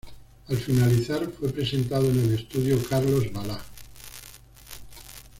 Al finalizar, fue presentado en el estudio Carlos Balá.